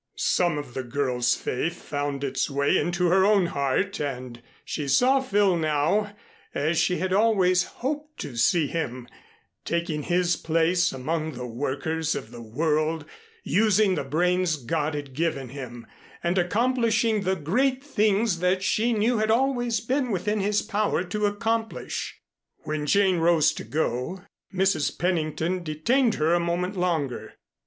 Some of the girl's faith found its way into her own heart and she saw Phil now, as she had always hoped to see him, taking his place among the workers of the world, using the brains God had given him, and accomplishing the great things that she knew had always been within his power to accomplish. When Jane rose to go, Mrs. Pennington detained her a moment longer.